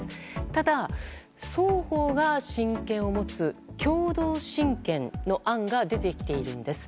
ただ、双方が親権を持つ共同親権の案が出てきているんです。